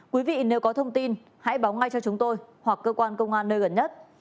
quý vị nếu có thông tin hãy báo ngay cho chúng tôi hoặc cơ quan công an nơi gần nhất